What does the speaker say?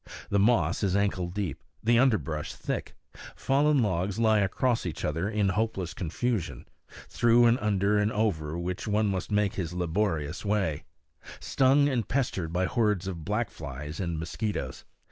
The moss is ankle deep, the underbrush thick; fallen logs lie across each other in hopeless confusion, through and under and over which one must make his laborious way, stung and pestered by hordes of black flies and mosquitoes.